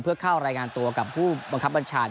เพื่อเข้ารายงานตัวกับผู้บังคับบัญชา